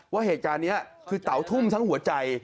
ว่าเหตุการณ์นี้คือเตาทุ่มทั้งหัวใจ